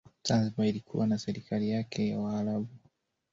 zanzibar ilikuwa na serikali yake ya waarabu